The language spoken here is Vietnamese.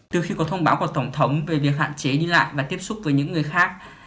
từ khi có thông báo của tổng thống về việc hạn chế đi lại và tiếp xúc với những người khác